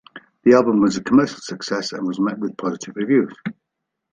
The album was a commercial success, and was met with positive reviews.